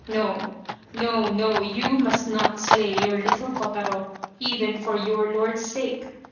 No, no, no you must not slay your little Kotaro even for your lord's sake.